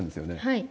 はい。